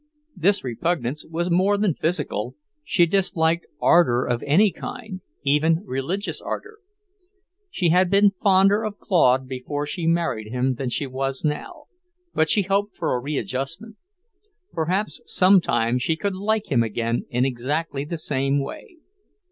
This repugnance was more than physical; she disliked ardour of any kind, even religious ardour. She had been fonder of Claude before she married him than she was now; but she hoped for a readjustment. Perhaps sometime she could like him again in exactly the same way.